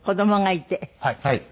はい。